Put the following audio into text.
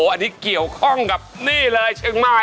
อันนี้เกี่ยวข้องกับนี่เลยเชียงใหม่